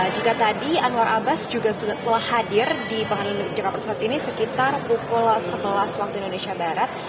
jika tadi anwar abbas juga telah hadir di pengadilan negeri jakarta pusat ini sekitar pukul sebelas waktu indonesia barat